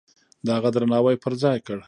د هغه درناوی پرځای کړ.